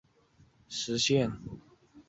存储结构及基本操作的实现